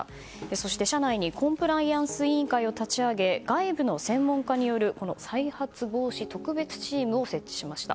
そして社内にコンプライアンス委員会を立ち上げ外部の専門家による再発防止特別チームを設置しました。